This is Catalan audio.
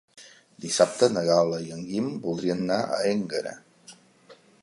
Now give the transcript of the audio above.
Dissabte na Gal·la i en Guim voldrien anar a Énguera.